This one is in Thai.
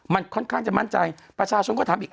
มันค่อนข้างจะมั่นใจประชาชนก็ถามอีก